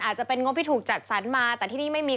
อาจจะเป็นงบที่ถูกจัดสรรมาแต่ที่นี่ไม่มี